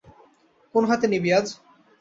কোন হাতে নিবি আজ?